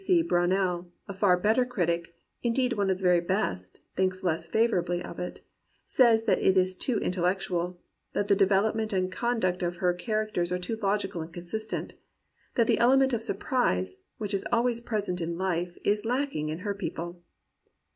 W. C. Brownell, a far better critic, indeed one of the very best, thinks less favourably of it, says that it is too intellectual; that the development and conduct of her char acters are too logical and consistent; that the ele ment of surprize, which is always present in life, is lacking in her people.